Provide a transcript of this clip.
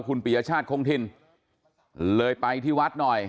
คุณปียชาติคงถิ่นเลยไปที่วัดหน่อย